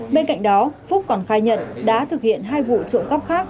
bên cạnh đó phúc còn khai nhận đã thực hiện hai vụ trộm cắp khác